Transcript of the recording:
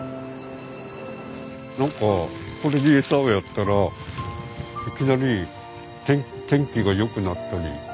何か鳥に餌をやったらいきなり天気がよくなったり。